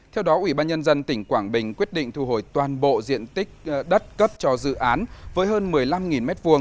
theo đó ubnd tỉnh quảng bình quyết định thu hồi toàn bộ diện tích đất cấp cho dự án với hơn một mươi năm m hai